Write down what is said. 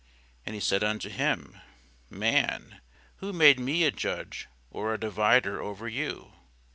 And he said unto him, Man, who made me a judge or a divider over you?